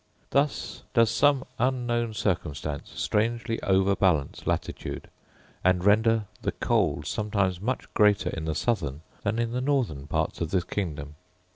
Thus does some unknown circumstance strangely overbalance latitude, and render the cold sometimes much greater in the southern than in the northern parts of this kingdom.